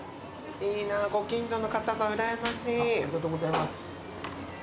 いいなご近所の方がうらやましい。